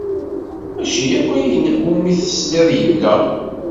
Maci akk ayen umi teslid, yella.